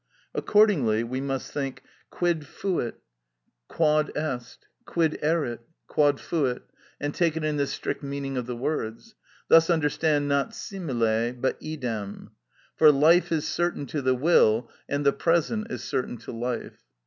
Accordingly, we must think:—Quid fuit?—Quod est. Quid erit?—Quod fuit; and take it in the strict meaning of the words; thus understand not simile but idem. For life is certain to the will, and the present is certain to life.